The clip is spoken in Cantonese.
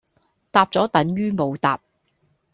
答咗等如冇答